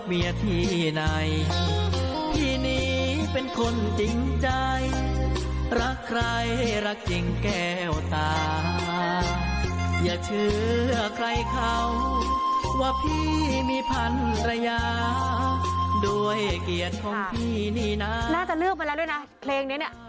เพลงนี้น่าจะเลือกไปแล้วด้วยนะคลิปนี้เนี่ย